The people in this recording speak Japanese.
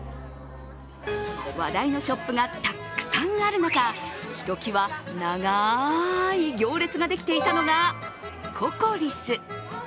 話題のショップがたくさんある中ひときわ長い行列ができていたのが、ココリス。